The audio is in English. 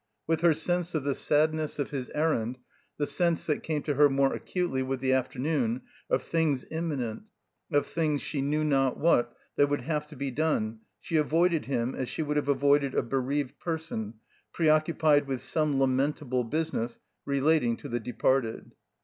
With her sense of the sadness of his errand, , the sense (that came to her more acutely with the afternoon) of things imminent, of things, she knew not what, that would have to be done, she avoided him as she would have avoided a bereaved person preoccupied with some lamentable business relating to the departed.